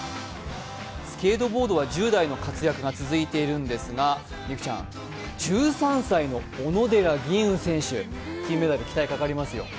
スケートボードは１０代の活躍が続いているんですが、美空ちゃん、１３歳の小野寺吟雲選手、金メダル、期待がかかりますよ。